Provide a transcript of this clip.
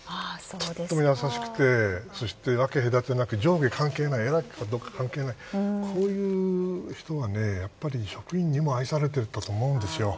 とても優しくて、分け隔てなく上下関係ない偉いとか関係ないこういう人が職員にも愛されていたと思うんですよ。